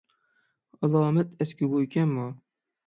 ئالامەت ئەسكى گۇيكەن بۇ.